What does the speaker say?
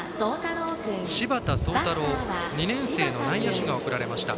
柴田壮太朗、２年生の内野手が送られました。